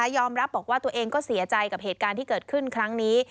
ยอมรับบอกว่าตัวเองก็เสียใจกับเหตุการณ์ที่เกิดขึ้นครั้งนี้